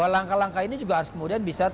langkah langkah ini juga harus kemudian bisa